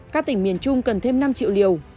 các tỉnh miền trung cần thêm năm triệu liều